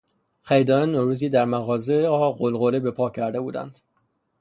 خریداران نوروزی در مغازهها غلغله به پا کرده بودند.